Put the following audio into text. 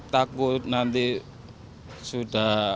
takut nanti sudah